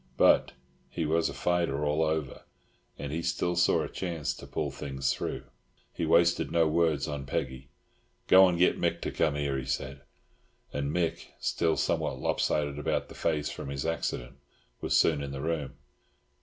But he was a fighter all over, and he still saw a chance to pull things through. He wasted no words on Peggy. "Go and get Mick to come here," he said, and Mick, still somewhat lopsided about the face from his accident, was soon in the room.